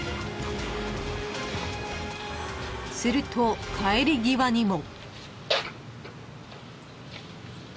［すると帰り際にも］